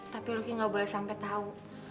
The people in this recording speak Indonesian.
tapi rocky gak boleh sampai tahu